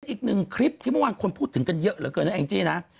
อีกหนึ่งคลิปที่เมื่อวานคนพูดถึงกันเยอะเหลือเกินนะแองจี้นะ